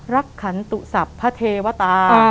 รักขันตุสับพเทวฎา